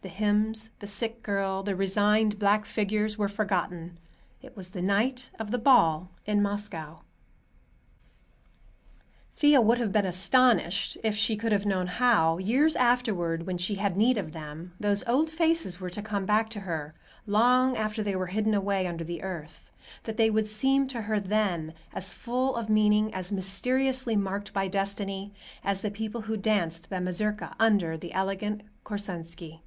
The hymns, the sick girl, the resigned black figures were forgotten. It was the night of the ball in Moscow. Thea would have been astonished if she could have known how, years afterward, when she had need of them, those old faces were to come back to her, long after they were hidden away under the earth; that they would seem to her then as full of meaning, as mysteriously marked by Destiny, as the people who danced the mazurka under the elegant Korsunsky.